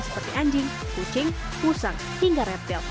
seperti anjing kucing usang hingga reptil